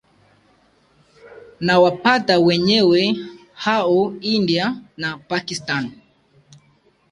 nawapata wenyewe hao india na pakistani